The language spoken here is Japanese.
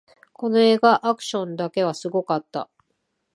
この映画、アクションだけはすごかった